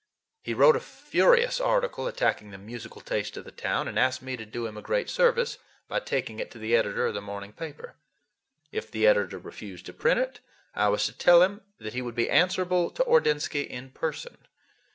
He wrote a furious article, attacking the musical taste of the town, and asked me to do him a great service by taking it to the editor of the morning paper. If the editor refused to print it, I was to tell him that he would be answerable to Ordinsky "in person."